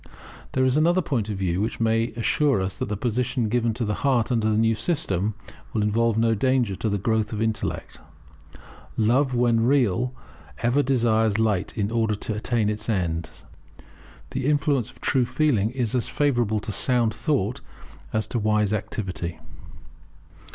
There is another point of view which may assure us that the position given to the heart under the new system will involve no danger to the growth of intellect. Love, when real, ever desires light, in order to attain its ends. The influence of true feeling is as favourable to sound thought as to wise activity.